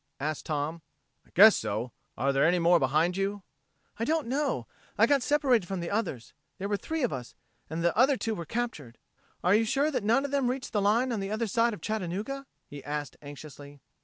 asked Tom. "I guess so. Are there any more behind you?" "I don't know. I got separated from the others. There were three of us, and the other two were captured. Are you sure that none of them reached the line on the other side of Chattanooga?" he asked anxiously.